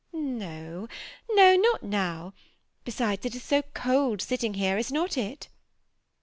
^^ No, no, not now ; besides, it is so cold sitting here, is not it